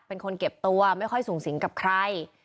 เป็นคนเก็บตัวไม่ค่อยสูงสิงกับใคร